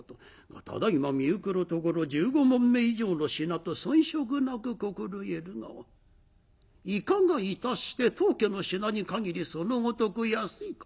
ただいま見ゆくるところ１５匁以上の品と遜色なく心得るがいかがいたして当家の品にかぎりそのごとく安いか？」。